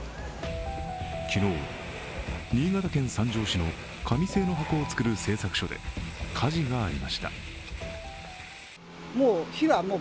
昨日、新潟県三条市の紙製の箱を作る製作所で火事がありました。